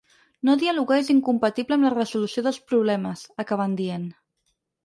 No dialogar és incompatible amb la resolució dels problemes, acaben dient.